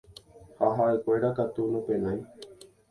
ha ha'ekuéra katu nopenái